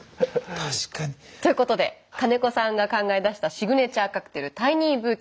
確かに。ということで金子さんが考え出したシグネチャーカクテルタイニーブーケ。